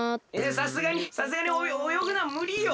さすがにさすがにおよぐのはむりよ！